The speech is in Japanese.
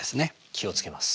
気を付けます。